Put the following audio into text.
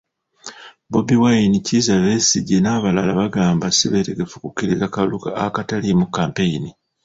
Bobi Wine, Kizza Besigye, n'abalala bagamba sibeetegefu kukkiriza kalulu akataliimu kampeyini.